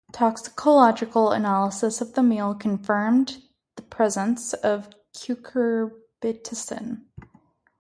Toxicological analysis of the meal confirmed the presence of cucurbitacin.